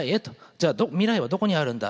じゃあ未来はどこにあるんだ。